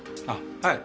はい。